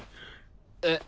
えっ？